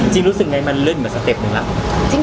จริงรู้สึกไงมันเลื่อนมาสเต็ปหนึ่งแล้ว